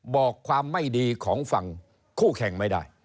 บอกความไม่ดีของฝั่งคู่แข่งไม่ได้